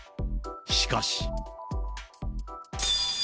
しかし。